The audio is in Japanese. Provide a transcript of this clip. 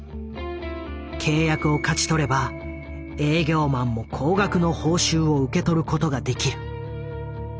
契約を勝ち取れば営業マンも高額の報酬を受け取ることができる。